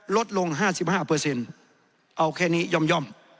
ลดลง๕๕เอาแค่นี้ย่อม